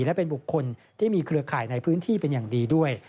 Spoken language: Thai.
และเป็นบุคคลที่มีเครือข่ายในพื้นที่เป็นอย่างดีด้วย